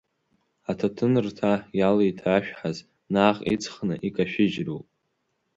Аҭаҭынрҭа иалеиҭашәҳаз наҟ иҵхны икашәыжьроуп…